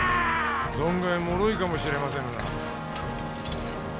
存外もろいかもしれませぬな。